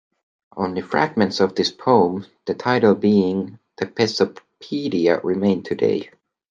Only fragments of this poem, the title being "The Pessopedia", remain today.